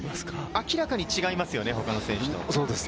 明らかに違いますよね、他の選手と。